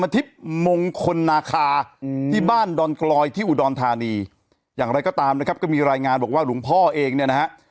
ที่บ้านดอนกรอยที่อุดอนธานีอย่างไรก็ตามนะครับก็มีรายงานบอกว่าหลวงพ่อเองเนี่ยนะฮะ